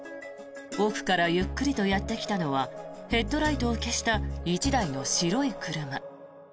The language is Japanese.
奥からゆっくりとやってきたのはヘッドライトを消した１台の白い車。